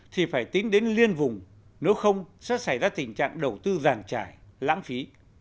thì phải tính đến liên vùng nếu không sẽ xảy ra tình trạng đầu tư giàn trải lãng phí